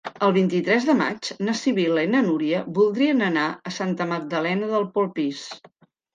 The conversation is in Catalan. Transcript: El vint-i-tres de maig na Sibil·la i na Núria voldrien anar a Santa Magdalena de Polpís.